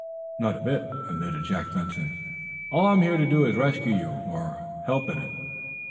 "Not a bit," admitted Jack Benson. "All I'm here to do is to rescue you, or help in it."